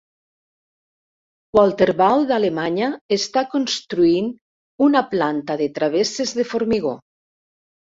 Walterbau d'Alemanya està construint una planta de travesses de formigó.